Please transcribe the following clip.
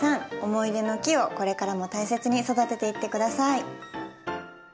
思い出の木をこれからも大切に育てていって下さい。